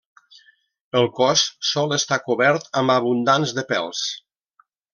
El cos sol estar cobert amb abundants de pèls.